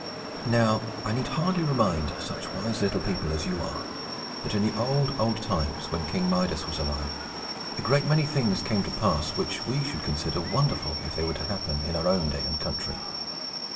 Now, I need hardly remind such wise little people as you are, that in the old, old times, when King Midas was alive, a great many things came to pass, which we should consider wonderful if they were to happen in our own day and country.